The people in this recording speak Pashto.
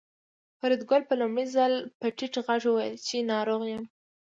فریدګل په لومړي ځل په ټیټ غږ وویل چې ناروغ یم